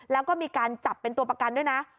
แล้วก็มีการจับเป็นตัวประกันด้วยนะ